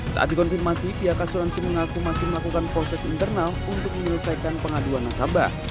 saat dikonfirmasi pihak asuransi mengaku masih melakukan proses internal untuk menyelesaikan pengaduan nasabah